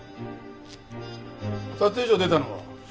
撮影所出たのは？